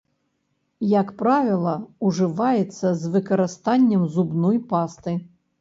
Як правіла, ужываецца з выкарыстаннем зубной пасты.